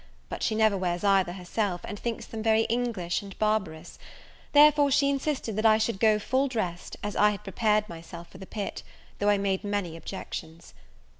But she never wears either herself, and thinks them very English and barbarous; therefore she insisted that I should go full dressed, as I had prepared myself for the pit, though I made many objections.